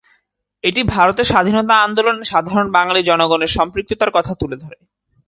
এটি ভারতের স্বাধীনতা আন্দোলনে সাধারণ বাঙালি জনগণের সম্পৃক্ততার কথা তুলে ধরে।